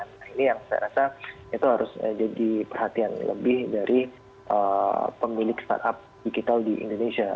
nah ini yang saya rasa itu harus jadi perhatian lebih dari pemilik startup digital di indonesia